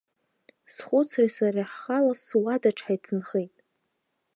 Схәыцреи сареи ҳхала суадаҿ ҳаицынхеит.